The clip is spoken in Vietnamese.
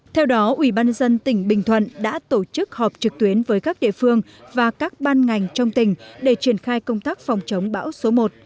theo đó ubnd tỉnh bình thuận đã tổ chức họp trực tuyến với các địa phương và các ban ngành trong tỉnh để triển khai công tác phòng chống bão số một